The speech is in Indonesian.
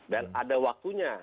dan ada waktunya